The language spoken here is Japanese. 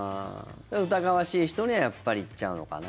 疑わしい人にはやっぱり行っちゃうのかな。